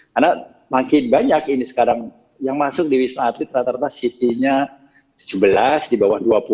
karena makin banyak ini sekarang yang masuk di wisma atlet rata rata ct nya tujuh belas di bawah dua puluh